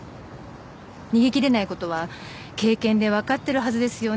逃げ切れないことは経験で分かってるはずですよねって。